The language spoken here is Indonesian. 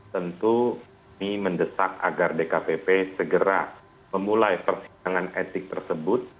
tentu kami mendesak agar dkpp segera memulai persidangan etik tersebut